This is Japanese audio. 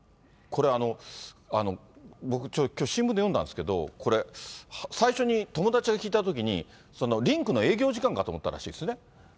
これ、僕、きょう新聞で読んだんですけど、これ、最初に友達から聞いたときに、リンクの営業時間かと思ったらしいですね。